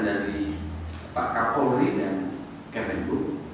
dari pak kapolri dan kemenku